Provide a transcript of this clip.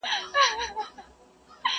دا مورچل، مورچل پکتيا او دا شېر برېتي.!